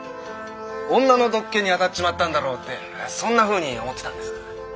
女の毒気にあたっちまったんだろうってそんなふうに思ってたんです。